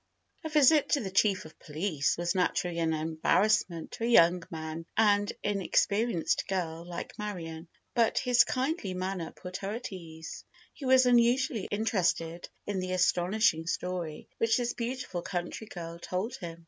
A visit to the chief of police was naturally an embarrassment to a young and inexperienced girl like Marion, but his kindly manner put her at her ease. He was unusually interested in the astonishing story which this beautiful country girl told him.